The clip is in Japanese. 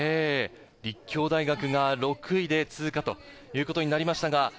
立教大学が６位で通過ということになりました。